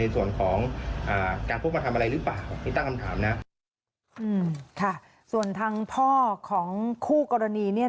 ส่วนทางพ่อของคู่กรณี